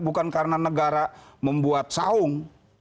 bukan karena negara membuat saung